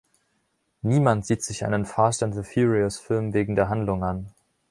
Niemand sieht sich einen Fast-and-the-Furious-Film wegen der Handlung an.